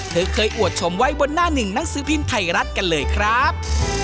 เธอเคยอวดชมไว้บนหน้าหนึ่งหนังสือพิมพ์ไทยรัฐกันเลยครับ